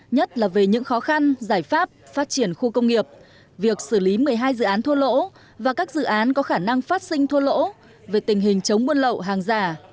nhất là về những khó khăn giải pháp phát triển khu công nghiệp việc xử lý một mươi hai dự án thua lỗ và các dự án có khả năng phát sinh thua lỗ về tình hình chống buôn lậu hàng giả